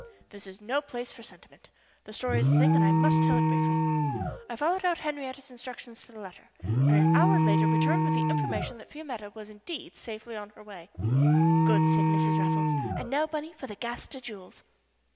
This is no place for sentiment. The story is the thing, and I must tell it briefly. I followed out Henriette's instructions to the letter, and an hour later returned with the information that Fiametta was, indeed, safely on her way. "Good," said Mrs. Raffles. "And now, Bunny, for the Gaster jewels."